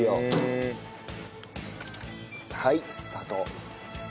はいスタート。